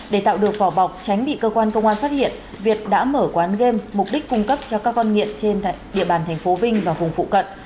để tạo được vỏ bọc tránh bị cơ quan công an phát hiện việt đã mở quán game mục đích cung cấp cho các con nghiện trên địa bàn tp vinh và vùng phụ cận